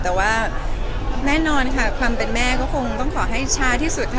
แต่ว่าแน่นอนค่ะความเป็นแม่ก็คงต้องขอให้ช้าที่สุดค่ะ